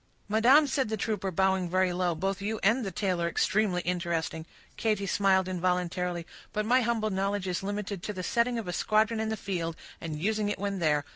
"Madam," said the trooper, bowing very low, "both you and the tale are extremely interesting"—Katy smiled involuntarily—"but my humble knowledge is limited to the setting of a squadron in the field, and using it when there.